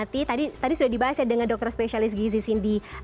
tadi tadi sudah di bahasa dengan dokter spesialist gizisin di indonesia